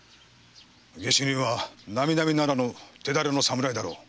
下手人は並々ならぬ手だれの侍だろう。